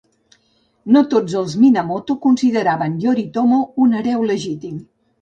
No tots els Minamoto consideraven Yoritomo un hereu legítim.